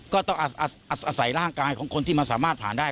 ก็ต้องอาศัยร่างกายของคนที่มันสามารถผ่านได้